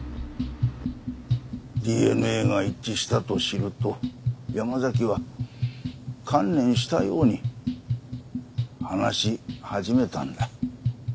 ＤＮＡが一致したと知ると山崎は観念したように話し始めたんだ。